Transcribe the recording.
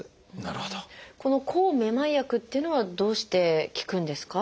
この抗めまい薬っていうのはどうして効くんですか？